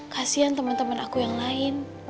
kasian teman teman aku yang lain